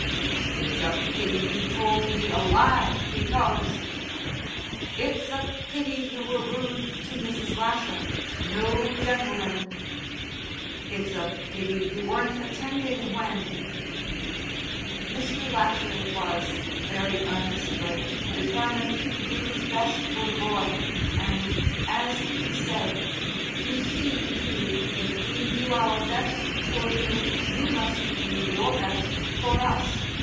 "It's a pity you told me a lie because " "It's a pity you were rude to Mrs. Lasher. No gentleman " "It's a pity you weren't attending when " Mr. Lasher was, very earnestly, determined to do his best for the boy, and, as he said, "You see, Hugh, if we do our best for you, you must do your best for us.